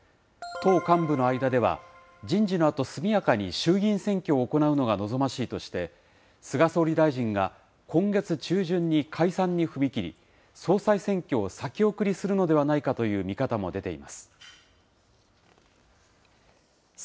党幹部の間では、人事のあと速やかに衆議院選挙を行うのが望ましいとして、菅総理大臣が今月中旬に解散に踏み切り、総裁選挙を先送りするのではないかという見方も出ています。